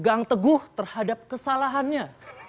tetap pegang teguh terhadap kesalahannya